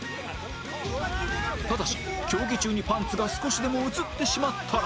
ただし競技中にパンツが少しでも映ってしまったら